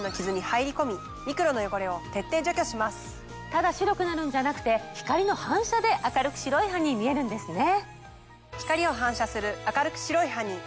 ただ白くなるんじゃなくて光の反射で明るく白い歯に見えるんですね。